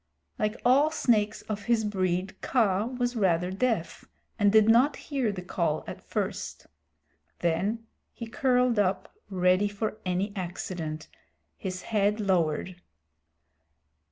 Like all snakes of his breed Kaa was rather deaf, and did not hear the call at first. Then he curled up ready for any accident, his head lowered.